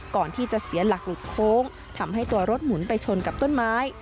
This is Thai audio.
ก่อนที่จะเสียหลักหลุดโค้งทำให้ตัวรถหมุนไปชนกับต้นไม้